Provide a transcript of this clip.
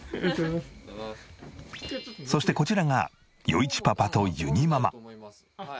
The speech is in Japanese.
そしてこちらが余一パパとゆにママ。